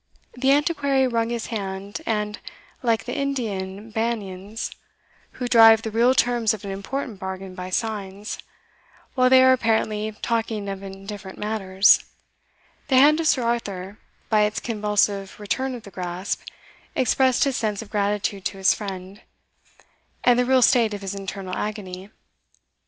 The Antiquary wrung his hand, and, like the Indian Banians, who drive the real terms of an important bargain by signs, while they are apparently talking of indifferent matters, the hand of Sir Arthur, by its convulsive return of the grasp, expressed his sense of gratitude to his friend, and the real state of his internal agony.